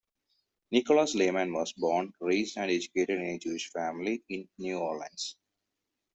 Nicholas Lemann was born, raised, and educated in a Jewish family in New Orleans.